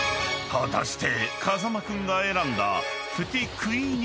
［果たして⁉］